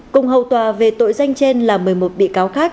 cùng hầu tòa về tội danh trên là một mươi một bị cáo khác